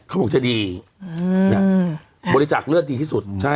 เขาบอกจะดีบริจาคเลือดดีที่สุด